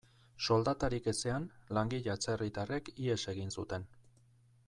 Soldatarik ezean, langile atzerritarrek ihes egin zuten.